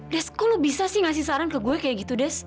des kok lu bisa sih ngasih saran ke gua kayak gitu des